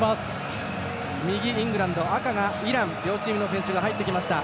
右、イングランド赤がイラン両チームの選手が入りました。